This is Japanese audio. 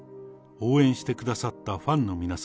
応援してくださったファンの皆様、